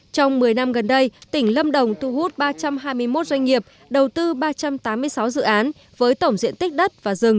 trong một mươi năm gần đây tỉnh lâm đồng thu hút ba trăm hai mươi một doanh nghiệp đầu tư ba trăm tám mươi sáu dự án với tổng diện tích đất và rừng